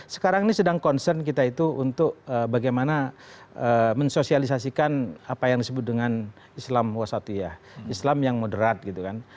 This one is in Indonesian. sekarang ini sedang concern kita itu untuk bagaimana mensosialisasikan apa yang disebut dengan islam wasatiyah islam yang moderat gitu kan